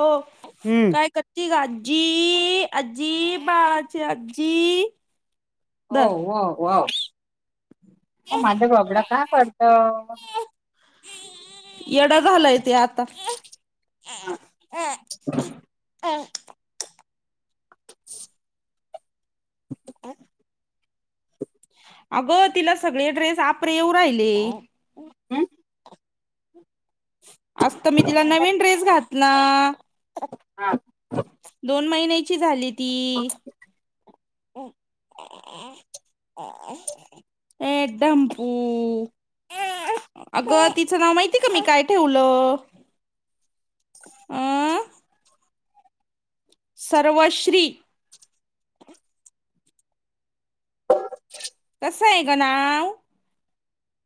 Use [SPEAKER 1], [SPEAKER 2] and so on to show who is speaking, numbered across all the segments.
[SPEAKER 1] हो
[SPEAKER 2] हम्म.
[SPEAKER 1] काय कर [unintelligible] आजी - बाळाची आजी दर
[SPEAKER 2] ओ-ओ-वाव माझं बबडं का करत?
[SPEAKER 1] येड झालय तेे आता.
[SPEAKER 2] हा.
[SPEAKER 1] [inaudible] [inaudible] अगं तिला सगळे ड्रेस आपरे येऊ राहिले.
[SPEAKER 2] हम?
[SPEAKER 1] आज त मी तिला नवीन ड्रेस घातला.
[SPEAKER 2] हा.
[SPEAKER 1] दोन महिन्याची झाली ती. [unintelligible] ये ढंपू अगं! तिचं नाव माहितीय का मी काय ठेवलं? उमम सर्वश्री.
[SPEAKER 2] [inaudible]
[SPEAKER 1] कसं ये गं नाव?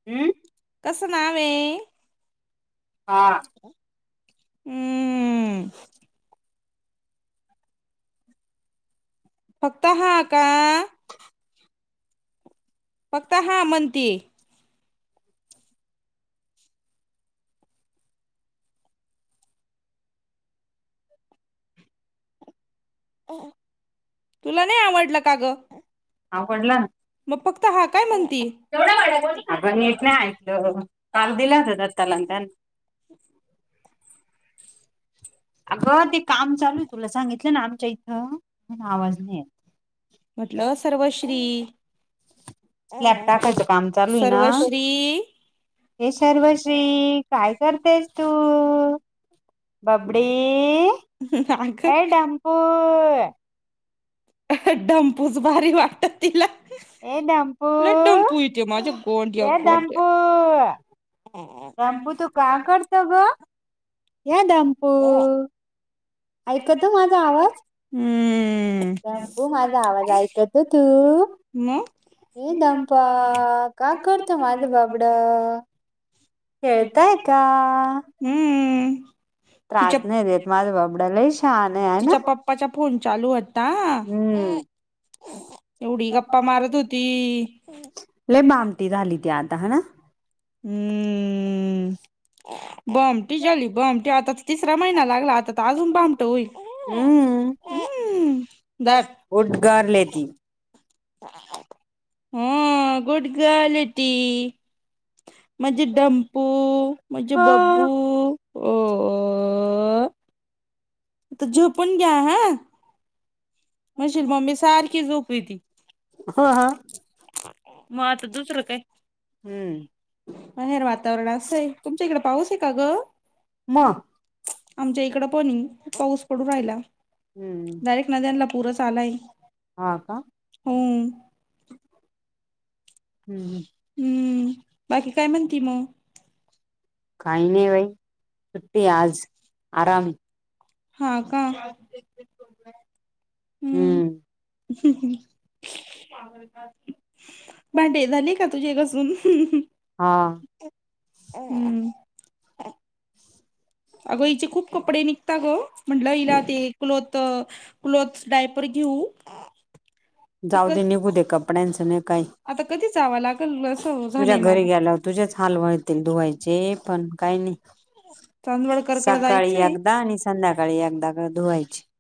[SPEAKER 2] हम्म?
[SPEAKER 1] कसं नाव ये?
[SPEAKER 2] हा.
[SPEAKER 1] हम्म. फक्त हा का? फक्त हा म्हनतिये. तुला नई आवडलं का ग?
[SPEAKER 2] आवडला न
[SPEAKER 1] म फक्त हा काय म्हणती?
[SPEAKER 2] आ ग नीट नाय ऐकलं, काल दिलाच होता [unintelligible] अगं ते काम चालू ये. तुला सांगितलं ना आमच्या इथं. आवाज नाही येत.
[SPEAKER 1] म्हटलं सर्वश्री.
[SPEAKER 2] [unintelligible] टाकायचं काम चालू ये ना.
[SPEAKER 1] सर्वश्री
[SPEAKER 2] ये सर्वश्री काय करतेस तू? बबडी,
[SPEAKER 1] अग
[SPEAKER 2] ये डंपू.
[SPEAKER 1] ढंपुच भारी वाट
[SPEAKER 2] ये ढंपु,
[SPEAKER 1] डंपू येते माझ्या गोंड्या
[SPEAKER 2] ये
[SPEAKER 1] गोंड्या
[SPEAKER 2] ढंपु ढंपु तू का करतो ग? ये ढंप
[SPEAKER 1] [inaudible]
[SPEAKER 2] आयकतो माझा आवाज?
[SPEAKER 1] हम्म.
[SPEAKER 2] दामपू माझा आवाज
[SPEAKER 1] म
[SPEAKER 2] ए ढंप. का करत माझ बबड? खेळतय का?
[SPEAKER 1] हम्म. तिच्या
[SPEAKER 2] त्रास नाई देत माझं बबड लई श
[SPEAKER 1] तिच्या पप्पाच्या फोन चालू होत ता.
[SPEAKER 2] हम्म
[SPEAKER 1] एवढी गप्पा मारत होती.
[SPEAKER 2] लय बामटी झाली ती आता. हा ना?
[SPEAKER 1] हम्म. बामटी झाली बामटी, आता त तिसरा महिना लागला आता त अजून भामटी होईल.
[SPEAKER 2] हम्म
[SPEAKER 1] [unintelligible] धर.
[SPEAKER 2] उद्गार लेती.
[SPEAKER 1] हम्म गुड गर्ल ये ती. माझे
[SPEAKER 2] ह
[SPEAKER 1] डम्पू माझे बब्बू ओ ओ. आता झोपून घ्या हा. म्हणशील मम्मी सारखी झोपली येती.
[SPEAKER 2] ह
[SPEAKER 1] म आता दुसरं काय?
[SPEAKER 2] हम्म
[SPEAKER 1] बाहेर वातावरण असंय तुमच्या इकडे पाऊस आहे का
[SPEAKER 2] म
[SPEAKER 1] ग. आमच्या इकडं पण ये खुप पाऊस पडू राहिला
[SPEAKER 2] हम्म
[SPEAKER 1] डायरेक्ट नद्यांला पुरंच आलाये हा हम्म.
[SPEAKER 2] हम्म हम्म.
[SPEAKER 1] हम्म बाकी काय म्हणती म.
[SPEAKER 2] काही नाही बाई सुटी आज आराम ये.
[SPEAKER 1] हा का.
[SPEAKER 2] हम्म.
[SPEAKER 1] [unintelligible] भांडी झाली का तुझे घसून.
[SPEAKER 2] हा.
[SPEAKER 1] हम्म. अगं हचे खूप कपडे निघता ग म्हंटलं इीला ते क्लोथ क्लोथ्स डायपर घेऊ तर
[SPEAKER 2] जाऊ
[SPEAKER 1] क
[SPEAKER 2] दे निघू दे कपड्यांचं नाही काही.
[SPEAKER 1] आता कधी जाव लाग कल अस
[SPEAKER 2] तुझ्या
[SPEAKER 1] झालंय
[SPEAKER 2] घरी
[SPEAKER 1] मला.
[SPEAKER 2] गेल्यावर तुझेच हाल व्हातील धुवायचे
[SPEAKER 1] [unintelligible]
[SPEAKER 2] पण काही नाही
[SPEAKER 1] चांदवडकरकडे
[SPEAKER 2] सकाळी
[SPEAKER 1] जायचंय
[SPEAKER 2] एकदा आणि संध्याकाळी एकदा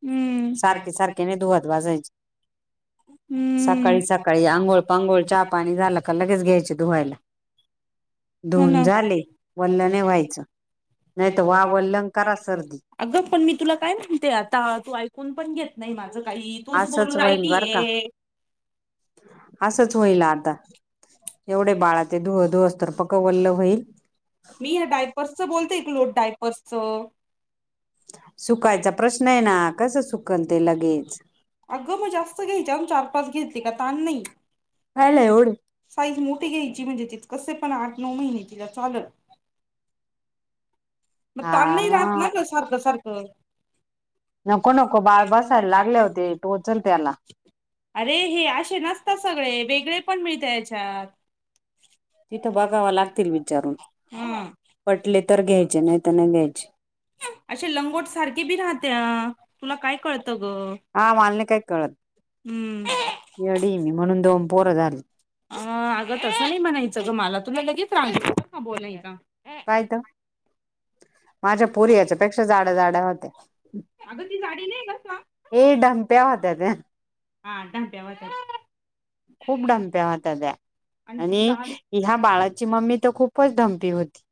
[SPEAKER 1] हम्म. [unintelligible]
[SPEAKER 2] ते नाही धुवत बसायचं.
[SPEAKER 1] [inaudible] हम्म
[SPEAKER 2] सकाळी सकाळी अंघोळ पांघोळ चहा पाणी झालं का लगेच घ्यायचे धुवायला.
[SPEAKER 1] हो
[SPEAKER 2] धुन
[SPEAKER 1] ना
[SPEAKER 2] झाले वल्ल नाही व्हायचं. त वा वल्ल न करा सर्दी.
[SPEAKER 1] अगं पण मी तुला काय म्हणते आता तू ऐकून पण घेत नाही माझं काही तूच बोलू
[SPEAKER 2] असंच
[SPEAKER 1] राही
[SPEAKER 2] होईल बर का असंच होईल आता. एवढे बाळाचे धुव धुवस तर पकवल्ल होईल.
[SPEAKER 1] मी या डायपर्सचं बोलतेये क्लोज डायपर्सचं.
[SPEAKER 2] सुकायचा प्रश्न आहे ना कसं सुकल ते लगेच.
[SPEAKER 1] अगं मग जास्त घ्यायच अ चार पाच घेतयली का ताण नाही.
[SPEAKER 2] राहिला एवढे
[SPEAKER 1] [unintelligible] साईज मोठी घ्यायची म्हणजे तिथ कसे पण आठ नऊ महिने तिला चालल. मग ताण नाही
[SPEAKER 2] हा
[SPEAKER 1] राहतना ग सारखं सारखं
[SPEAKER 2] नको नको बाळ बसायला लागल्यावर ते टोचल त्याला.
[SPEAKER 1] अरे हे असे नसत सगळे वेगळे पण मिळत याच्यात
[SPEAKER 2] तिथं बघाव लागतील विचारून
[SPEAKER 1] ह
[SPEAKER 2] पटले तर घ्यायचे नाही तर नाही घ्याय
[SPEAKER 1] अशे लंगोट सारखे बी राहत्या तुला काय कळतं ग.
[SPEAKER 2] हा माल नाय काय कळत
[SPEAKER 1] हम्म
[SPEAKER 2] येडी मी म्हणून दोन पोरं झाली.
[SPEAKER 1] अ अगं तसं नाही म्हणायचं ग मला तुला लगेच राहलं येतो का बोलायचा.
[SPEAKER 2] कायत माझ्या पुरी याच्या पेक्षा जाड्या जाड्या होत्या
[SPEAKER 1] अग ती जाडी नाही ये बर
[SPEAKER 2] ए ढमप्या
[SPEAKER 1] का
[SPEAKER 2] होत्या त्या
[SPEAKER 1] [unintelligible]
[SPEAKER 2] खूप ढमप्या होत्या त्या
[SPEAKER 1] ती
[SPEAKER 2] आणि
[SPEAKER 1] जाडी
[SPEAKER 2] ह्या बाळाची मम्मी तर खूपच ढमपी होती.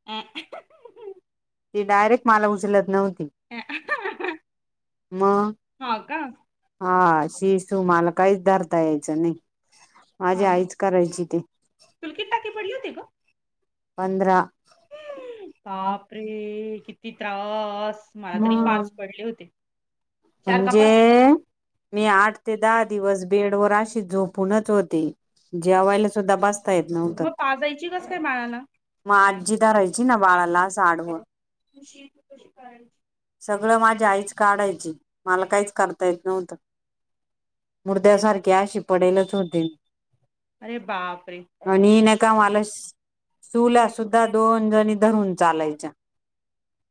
[SPEAKER 1] [unintelligible]
[SPEAKER 2] ती डायरेक्ट मला उचलत नव्हती म.
[SPEAKER 1] हा का
[SPEAKER 2] हा शिसू मला काहीच धरता यायचं नाही माझी आईच करायची ते.
[SPEAKER 1] तुला किती टाके पडले होते ग,,,
[SPEAKER 2] पंधरा
[SPEAKER 1] बापऽ अरे,, किती त्रास,,, मला तरी पाच पडले होते. चार का पाच
[SPEAKER 2] म्हणजे मी आठ ते दहा दिवस बेड वर अशी झोपूनच होते. जेवायला सुदा बसता येत नव्हत.
[SPEAKER 1] मग पाजायची कस काय बाळाला
[SPEAKER 2] मग आजी धरायची ना बाळाला आसं आडवं.
[SPEAKER 1] [unintelligible]
[SPEAKER 2] सगळं माझ्या आईच काढायची, मला काहीच करता येत नव्हतं. मुर्द्यासारखे अशी पडेलच होते मी.
[SPEAKER 1] अरे बापरे!
[SPEAKER 2] आणि नाही कानका मला चुल्या सुद्धा दोन जणी धरून चालायच्या.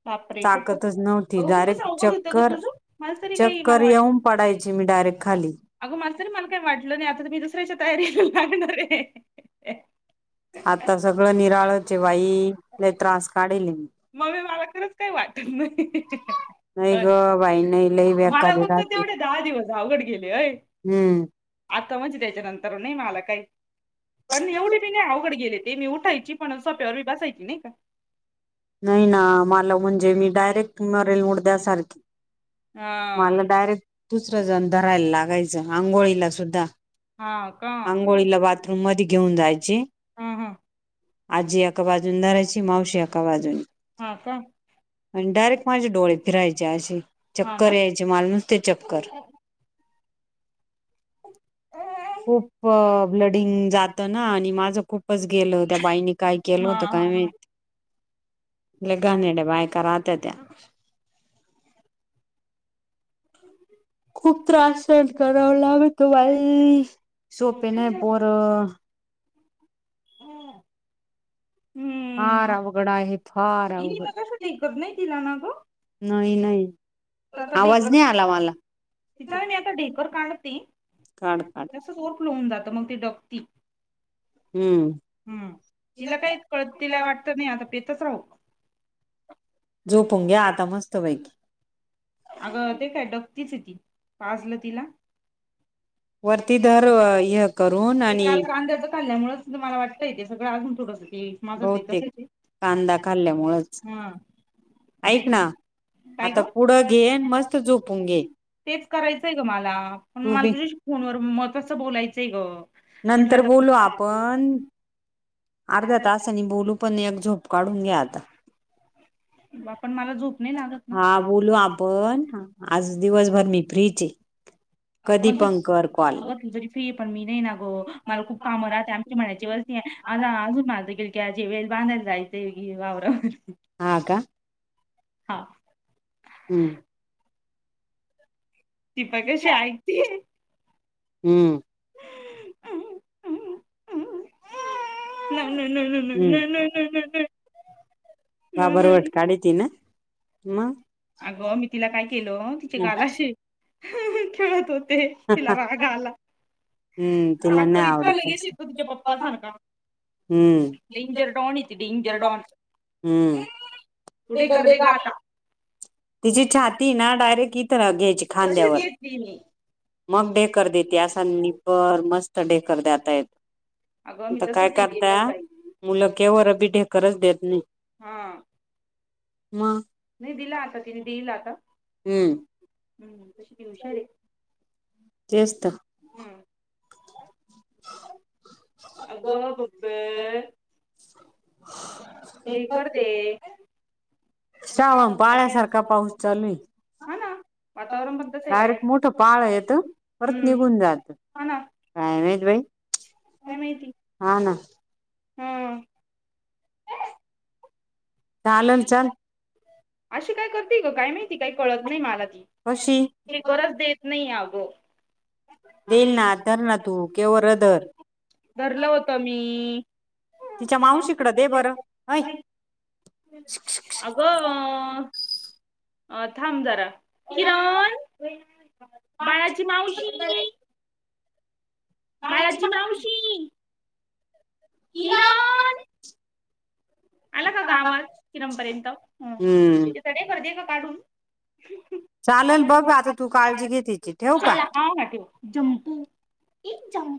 [SPEAKER 1] बापरे खूपच
[SPEAKER 2] ताकतच नव्हती
[SPEAKER 1] अगं खूपच
[SPEAKER 2] डायरेक्ट
[SPEAKER 1] अवघड होतं गं
[SPEAKER 2] चक्कर.
[SPEAKER 1] तुझं. मला तरी काही
[SPEAKER 2] चक्कर येऊन पडायची मी डायरेक्ट खाली
[SPEAKER 1] [unintelligible] अगं माझं तरी मला काही वाटलं नाही, आता मी दुसऱ्याच्या तयारी लागणार आहे.
[SPEAKER 2] आता सगळं निराळचे बाईऽ! लय त्रास काढेलय मी.
[SPEAKER 1] मामी मला खरंच काही वाटत नाही.
[SPEAKER 2] नाही
[SPEAKER 1] ओय,,
[SPEAKER 2] ग बाई नाही लई
[SPEAKER 1] मला
[SPEAKER 2] बेकारी
[SPEAKER 1] फक्त
[SPEAKER 2] राहते
[SPEAKER 1] तेवढे दहा दिवस अवघड गेले अय.
[SPEAKER 2] हम्म
[SPEAKER 1] आता म्हणजे त्याच्या नंतर नाही मला काही पण एवढे बि नाही अवघड गेले ते,, मी उठायची पण, सोप्यावर मी बसायची नाही का?
[SPEAKER 2] नाही ना, मला म्हणजे मी डायरेक्ट मरेल मुरद्या सारखी.
[SPEAKER 1] हाच
[SPEAKER 2] मला डायरेक्ट दुसरं जण धरायला लागायचं, आंघोळीला सुद्धा.
[SPEAKER 1] हा का
[SPEAKER 2] आंघोळीला बाथरूम मध्ये घेऊन जायचे.
[SPEAKER 1] हा हा
[SPEAKER 2] आजी एका बाजूंला धारायचीमावशी एका [unintelligible]
[SPEAKER 1] हा का
[SPEAKER 2] आणि डायरेक्ट माझे डोळे फिरायचे आसे,
[SPEAKER 1] हा ना
[SPEAKER 2] चक्कर यायचेऽ माला नुसती चक्कर. खूप ब्लडिंग जात ना, आणि माझं खूपच गेलं हो त्या बाईने काय केलं
[SPEAKER 1] हा
[SPEAKER 2] होतं काय
[SPEAKER 1] हा हा
[SPEAKER 2] माहिती? लय घाणेरड्या बायका रातेत त्या. खूप त्रास सहन कराव लागते बाई, सोपे नाही पोरं ऽ फार अवघड आहे, फार अवघड.
[SPEAKER 1] कसच ऐकत नाही तिला ना ग?
[SPEAKER 2] नाही, नाही.
[SPEAKER 1] तर आता
[SPEAKER 2] आवाज
[SPEAKER 1] ढेकर
[SPEAKER 2] नाही आला
[SPEAKER 1] दीला,
[SPEAKER 2] मला
[SPEAKER 1] तिचा ना मी आता ढेकर काढतेऽ
[SPEAKER 2] काढ, काड.
[SPEAKER 1] [unintelligible] होऊन जातं मग ते डगतीऽ
[SPEAKER 2] हम्म,
[SPEAKER 1] हम, तिला काहीच कळत, तिला वाटतं नाही आता पेतच आहोत.
[SPEAKER 2] झोपुन घ्या आता मस्त पैकी.
[SPEAKER 1] अगं, ते काय डगतीचय ती, पाजलं तिला.
[SPEAKER 2] वरती धर, हे करून,
[SPEAKER 1] ते
[SPEAKER 2] आणिऽ
[SPEAKER 1] काल कांद्याचं खाल्यामुळेच अस मला वाटतंय ते सगळंजून थोडंसं तेऽ.
[SPEAKER 2] बहुतेक,, कांदा खाल्ल्यामुळेच.
[SPEAKER 1] हा
[SPEAKER 2] ऐक ना,
[SPEAKER 1] काय
[SPEAKER 2] आता
[SPEAKER 1] ग
[SPEAKER 2] पुढं घे, आणि मस्त झोपून घे.
[SPEAKER 1] तेच करायचंय ग मला, पण
[SPEAKER 2] तू
[SPEAKER 1] मला
[SPEAKER 2] बी.
[SPEAKER 1] तुझ्याशी फोनवर महत्त्वाचं बोलायचंय ग. म्हटलं
[SPEAKER 2] नंतर
[SPEAKER 1] आता
[SPEAKER 2] बोलू आपण. अर्ध्या तासानी बोलू, पण एक झोप काढून घे आता.
[SPEAKER 1] आपण मला झोप नाही लागत ना
[SPEAKER 2] हा बोलू आपण. आज दिवसभर मी फ्री च आहे.
[SPEAKER 1] अग
[SPEAKER 2] कधी
[SPEAKER 1] पण, तू
[SPEAKER 2] कर कॉल
[SPEAKER 1] अग तू तरी फ्री आहे, पण मी नाही ना ग, मला खूप कामं राहते म्हणायची वर्तीी आ अजून मारत किलक वेळ बांधायला जायं वावर
[SPEAKER 2] आ हम्म
[SPEAKER 1] दीपा कशी ऐकती
[SPEAKER 2] हमम
[SPEAKER 1] नाही नाही नाही
[SPEAKER 2] हम्म
[SPEAKER 1] नाही नाही नाही नाही
[SPEAKER 2] बाबरवट काढ त ना मग
[SPEAKER 1] अगं मी तिला काय केलं तिचे गालाशी खेळत होते तिला बा गाला
[SPEAKER 2] हम्म तिला
[SPEAKER 1] रग
[SPEAKER 2] नाही
[SPEAKER 1] तर इतका लगेच
[SPEAKER 2] आवडत
[SPEAKER 1] यथ तुझ्या पप्पा सारख
[SPEAKER 2] हम्म
[SPEAKER 1] डेंजर टडान इ जरडॉन
[SPEAKER 2] हम्म
[SPEAKER 1] तठे कर देग आता
[SPEAKER 2] तिची छाती ना डायरेक्ट इथं घ्यायची
[SPEAKER 1] कशीच
[SPEAKER 2] खांद्यावर
[SPEAKER 1] घेतली मी
[SPEAKER 2] मग ढेकर देते, असा नीबर मस्त ढेकर देतायेतो.
[SPEAKER 1] अगं मी
[SPEAKER 2] आता काय
[SPEAKER 1] तसंच हे
[SPEAKER 2] करता?
[SPEAKER 1] केलं बाई.
[SPEAKER 2] मुलं केव बी ढेकरच देत नाही.
[SPEAKER 1] हां,
[SPEAKER 2] म?
[SPEAKER 1] नाही दिला आता तिने दिईल आता.
[SPEAKER 2] हम्म
[SPEAKER 1] त दिशार आहे
[SPEAKER 2] तेच तर
[SPEAKER 1] हम् अग ब्बे
[SPEAKER 2] [inaudible]
[SPEAKER 1] ते करते
[SPEAKER 2] श्रावम पाळ्यासारखा पाऊस चालूल
[SPEAKER 1] ना वातावरण पण तसं आहे
[SPEAKER 2] डायरेक्ट
[SPEAKER 1] बाहेर
[SPEAKER 2] मोठ पाळ येत परत
[SPEAKER 1] हम्म
[SPEAKER 2] निघून जात
[SPEAKER 1] हा ना
[SPEAKER 2] कायमच भाई हा ना
[SPEAKER 1] हम्म
[SPEAKER 2] चालन छान
[SPEAKER 1] अशी काय करते ग काय माहिती काही कळत नाही मला ती
[SPEAKER 2] कशी
[SPEAKER 1] ज गज देत नाही आबो
[SPEAKER 2] देईल ना तरर ना तू केव रधर
[SPEAKER 1] धरलं होत मी
[SPEAKER 2] तिच्या माऊ शिकड दे बरं हय
[SPEAKER 1] अगं अ अ थांबदरा किरण बाळाची मावशी मारजी मवश किराण आला का गावात किरमपर्यंत
[SPEAKER 2] हम्म
[SPEAKER 1] चडे कर दे का काढून
[SPEAKER 2] चालेल बघ आता तू काळजी घेत तची ठेव का
[SPEAKER 1] हा हो जमपू एक जमप